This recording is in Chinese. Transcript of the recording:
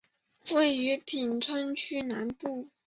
位于品川区南部。